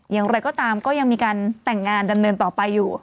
อย่างไรก็ตามก็ยังมีการแต่งงานดำเนินต่อไปอยู่